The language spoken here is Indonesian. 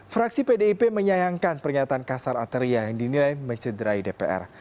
fraksi pdip menyayangkan pernyataan kasar ateria yang dinilai mencederai dpr